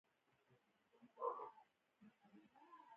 څنګه کولی شم د عمرې ویزه ترلاسه کړم